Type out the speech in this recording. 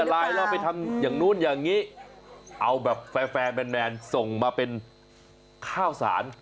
เอาเงินไปทำอย่างนึงหรือเปล่าเอาแบบแฟร์แฟร์แมนแมนส่งมาเป็นข้าวสาร